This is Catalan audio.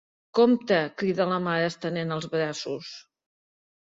Compte! —crida la mare estenent els braços.